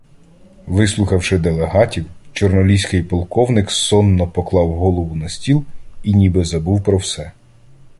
Вислухавши делегатів, чорноліський полковник сонно поклав голову на стіл і ніби забув про все.